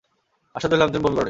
আশ্চর্য হলাম তুমি বমি করোনি।